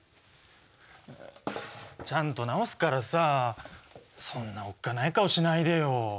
ちゃんと直すからさそんなおっかない顔しないでよ。